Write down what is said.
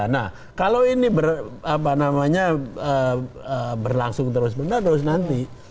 nah kalau ini berlangsung terus menerus nanti